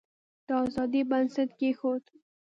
د آزادی بنسټ کښېښود.